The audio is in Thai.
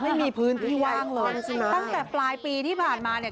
ไม่มีพื้นที่ว่างเลยตั้งแต่ปลายปีที่ผ่านมาเนี่ย